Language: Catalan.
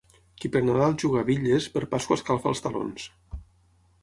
Qui per Nadal juga a bitlles, per Pasqua escalfa els talons.